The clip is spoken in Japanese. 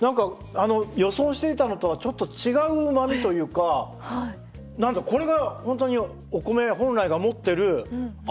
あの予想していたのとはちょっと違ううまみというか何かこれが本当にお米本来が持ってる味わいなのかなえっ？